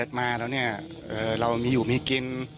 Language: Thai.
เกิดมาเราเนี่ยเรามีอยู่มีกิน